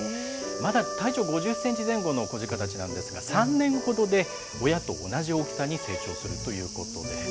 まだ体長５０センチ前後の子鹿たちなんですが、３年ほどで、親と同じ大きさに成長するということです。